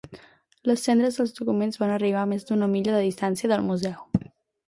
Les cendres dels documents van arribar a més d'una milla de distància del museu.